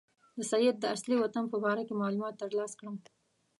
د سید د اصلي وطن په باره کې معلومات ترلاسه کړم.